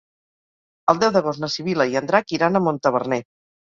El deu d'agost na Sibil·la i en Drac iran a Montaverner.